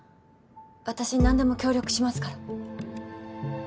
私何でも協力しますから。